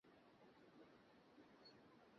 Ma'am, এইগুলা কেন করছেন?